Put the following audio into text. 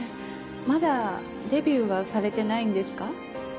まだデビューはされてないんですか？